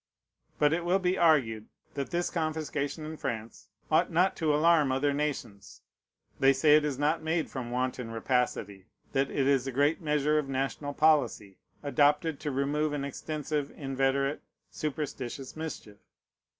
But it will be argued, that this confiscation in France ought not to alarm other nations. They say it is not made from wanton rapacity; that it is a great measure of national policy, adopted to remove an extensive, inveterate, superstitious mischief.